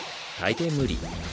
大抵無理。